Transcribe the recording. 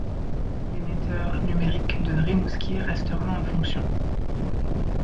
L'émetteur numérique de Rimouski restera en fonction.